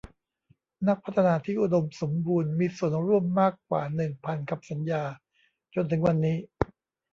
นักพัฒนาที่อุดมสมบูรณ์มีส่วนร่วมมากกว่าหนึ่งพันคำสัญญาจนถึงวันนี้